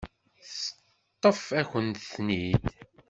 Teṭṭef-akent-ten-id.